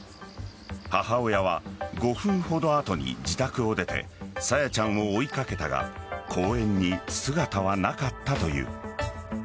母親は５分ほど後に自宅を出て朝芽ちゃんを追いかけたが公園に姿はなかったという。